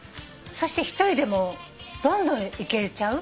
そして１人でもどんどんいけちゃう。